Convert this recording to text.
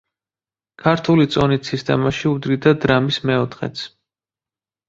ქართული წონით სისტემაში უდრიდა დრამის მეოთხედს.